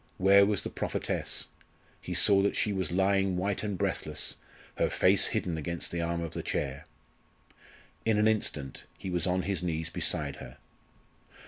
Where was the prophetess? He saw that she was lying white and breathless, her face hidden against the arm of the chair. In an instant he was on his knees beside her.